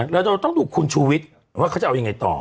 แล้วต้องถูกคุณชูวิทว์ว่าเขาจะเอาอย่างไรต่อ